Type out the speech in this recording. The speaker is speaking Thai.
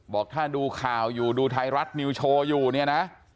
บอกถ้าดูข่าวอยู่ดูไทยรัฐนิวโชว์อยู่เนี่ยนะ